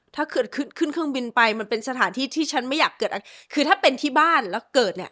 ถ้าเกิดขึ้นขึ้นเครื่องบินไปมันเป็นสถานที่ที่ฉันไม่อยากเกิดอะไรคือถ้าเป็นที่บ้านแล้วเกิดเนี่ย